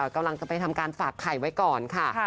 กำลังจะไปทำการฝากไข่ไว้ก่อนค่ะ